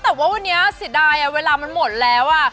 แต่ว่าวันนี้เสียดายเวลามันหมดแล้ว